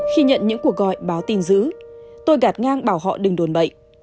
khi nhận những cuộc gọi báo tin giữ tôi gạt ngang bảo họ đừng đồn bậy